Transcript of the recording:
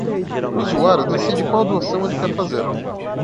O usuário decide qual doação ele quer fazer.